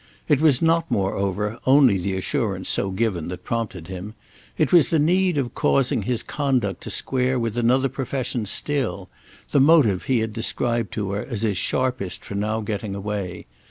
It was not moreover only the assurance so given that prompted him; it was the need of causing his conduct to square with another profession still—the motive he had described to her as his sharpest for now getting away.